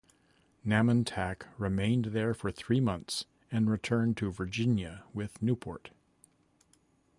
Namontack remained there for three months and returned to Virginia with Newport.